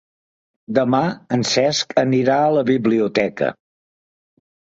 Demà en Cesc anirà a la biblioteca.